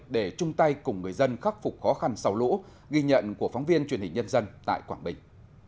để chung tay cùng người dân khắc phục khó khăn sau lũ ghi nhận của phóng viên truyền hình nhân dân tại quảng bình